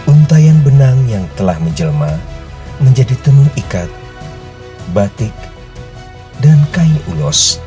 untayan benang yang telah menjelma menjadi tenun ikat batik dan kain ulos